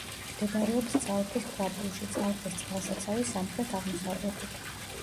მდებარეობს წალკის ქვაბულში, წალკის წყალსაცავის სამხრეთ-აღმოსავლეთით.